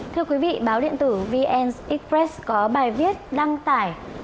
thưa quý vị báo điện tử vn express có bài viết đăng tải